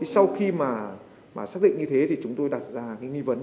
sau khi mà xác định như thế thì chúng tôi đặt ra cái nghi vấn